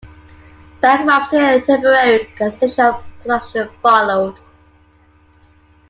Bankruptcy and a temporary cessation of production followed.